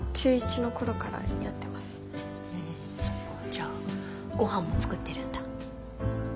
じゃあごはんも作ってるんだ？